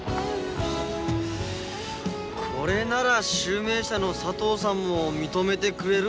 これなら集明社の佐藤さんも認めてくれる思う。